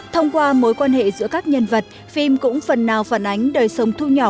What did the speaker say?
thông qua mối quan hệ giữa các nhân vật phim cũng phần nào phản ánh đời sống thu nhỏ